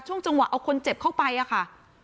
จังหวะเอาคนเจ็บเข้าไปอะค่ะ